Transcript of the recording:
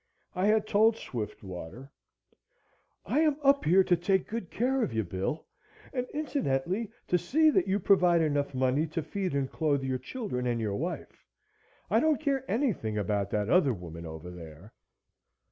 I had told Swiftwater: "I am up here to take good care of you, Bill, and incidentally to see that you provide enough money to feed and clothe your children and your wife. I don't care anything about that other woman over there."